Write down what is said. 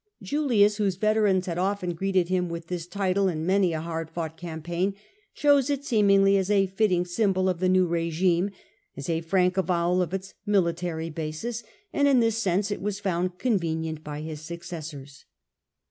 Julius, whose veterans had often greeted him with this title in many a hard fought campaign, chose it seemingly as a fitting symbol of the new rdgime^ as a frank avowal of its military basis, and in this sense it was found convenient by his successors.